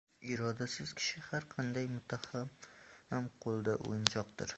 Irodasiz kishi har qanday muttaham qo‘lida o‘yinchoqdir.